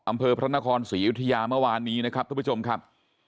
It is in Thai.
อำเภอพระนครศรีอยุธยาเมื่อวานนี้นะครับทุกผู้ชมครับ